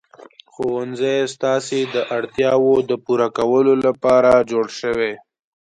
ښوونځی ستاسې د اړتیاوو د پوره کولو لپاره جوړ شوی.